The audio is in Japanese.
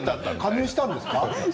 加盟したんですか？